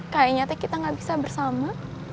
kayaknya kita gak bisa bersama